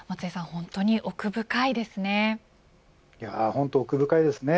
本当に奥深いですね。